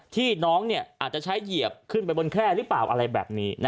ที่น้องอาจจะใช้เหยียบขึ้นไปบนแคร่หรือเปล่าอะไรแบบนี้